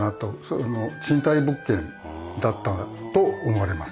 賃貸物件だったと思われます。